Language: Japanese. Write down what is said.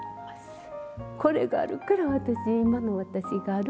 これがあるから今の私がある。